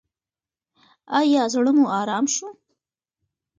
ایا زړه مو ارام شو؟